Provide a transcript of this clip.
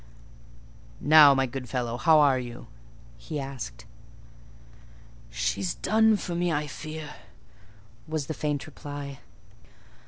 "Now, my good fellow, how are you?" he asked. "She's done for me, I fear," was the faint reply.